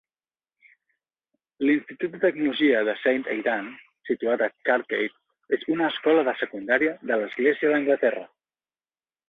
L'institut de tecnologia de Saint Aidan, situat a Cartgate, és una escola de secundària de l'Església d'Anglaterra.